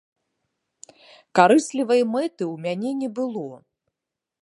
Карыслівай мэты ў мяне не было.